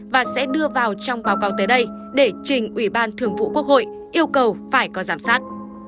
và sẽ đưa vào trong báo cáo tới đây để trình ủy ban thường vụ quốc hội yêu cầu phải có giám sát